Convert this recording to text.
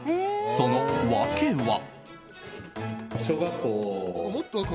その訳は。